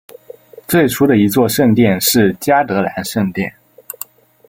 最初的一座圣殿是嘉德兰圣殿。